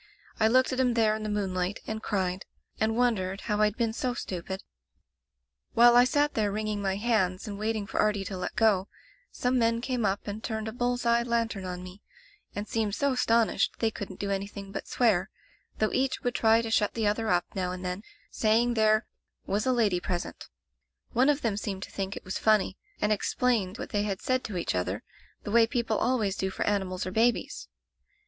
I looked at him there in the moonlight, and cried, and won dered how rd been so stupid. [ i6o] Digitized by LjOOQ IC The Gray Collie "While I sat there wringing my hands and waiting for Artie to let go, some men came up and turned a bull's eye lantern on me, and seemed so astonished they couldn't do anything but swear, though each would try to shut the other up, now and then, say ing there 'was a lady present/ "One of them seemed to think it was funny, and explained what they had said to each other, die way people always do for animdls or babies.